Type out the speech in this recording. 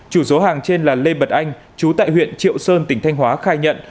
chủ số hàng trên là lê bật anh chú tại huyện triệu sơn tỉnh thanh hóa khai nhận